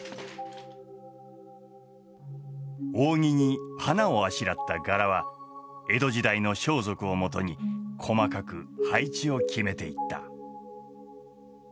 扇に花をあしらった柄は江戸時代の装束をもとに細かく配置を決めていった。